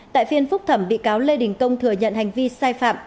tại phiên phúc thẩm bị cáo lê đình công thừa nhận hành vi sai phạm